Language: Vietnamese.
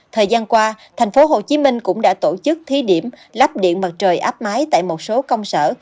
thời gian qua tp hcm cũng đã tổ chức thí điểm lắp điện mặt trời áp mái tại một số công sở